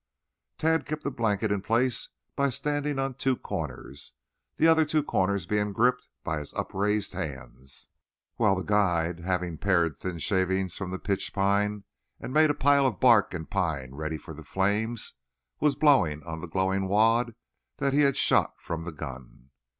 Tad kept the blanket in place by standing on two corners, the other two corners being gripped in his upraised hands, while the guide, having pared some thin shavings from the pitch pine and made a pile of bark and pine ready for the flame, was blowing on the glowing wad that he had shot from the gun.